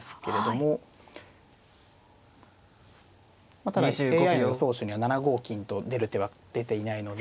まあただＡＩの予想手には７五金と出る手は出ていないので。